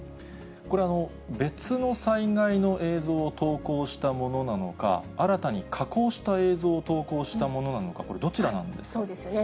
これ、別の災害の映像を投稿したものなのか、新たに加工した映像を投稿したものなのか、これ、どちらなんですそうですよね。